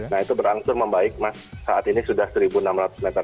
nah itu berangsur membaik mas saat ini sudah seribu enam ratus meter